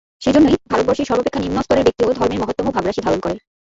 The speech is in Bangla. সেইজন্যই ভারতবর্ষে সর্বাপেক্ষা নিম্নস্তরের ব্যক্তিও ধর্মের মহত্তম ভাবরাশি ধারণ করে।